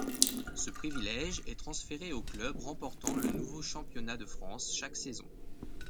Ce privilège est transféré au club remportant le nouveau championnat de France chaque saison.